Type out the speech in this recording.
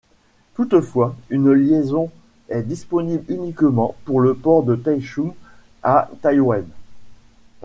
Toutefois, une liaison est disponible uniquement pour le port de Taichung à Taïwan.